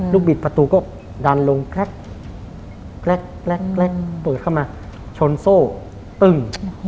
บิดประตูก็ดันลงแก๊กเปิดเข้ามาชนโซ่ตึ้ง